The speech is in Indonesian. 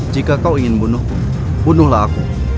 jika kau ingin bunuhku bunuhlah aku